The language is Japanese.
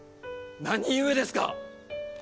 何故ですか？